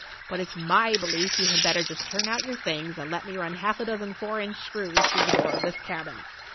"But it's my belief you had better just turn out your things and let me run half a dozen four inch screws through the door of this cabin.